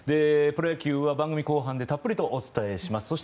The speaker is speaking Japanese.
プロ野球は番組後半でたっぷりお伝えします。